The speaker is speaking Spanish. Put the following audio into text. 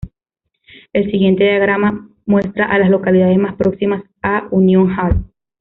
El siguiente diagrama muestra a las localidades más próximas a Union Hall.